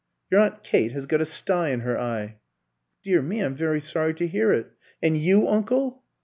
"Your aunt Kate has got a stye in her eye." "Dear me, I'm very sorry to hear it. And you, uncle?"